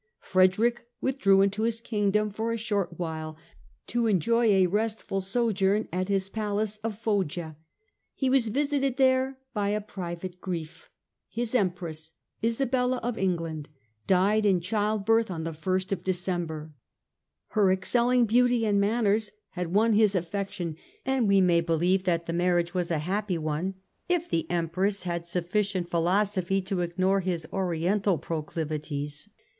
Frederick withdrew into his Kingdom for a short while to enjoy a restful sojourn at his palace of Foggia. He was visited there by a private grief. His Empress, Isabella of England, died in child birth on the 1st of December. " Her excelling beauty and manners " had won his affection, and we may believe that the marriage was a happy one if the Empress had suffi cient philosophy to ignore his Oriental proclivities.